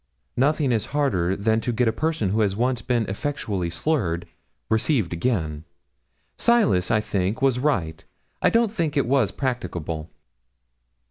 Nothing is harder than to get a person who has once been effectually slurred, received again. Silas, I think, was right. I don't think it was practicable.